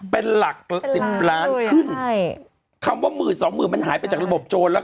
เป็นหลัก๑๐ล้านครึ่งคำว่า๑๐๐๐๐๒๐๐๐๐มันหายไปจากระบบโจรแล้วค่ะ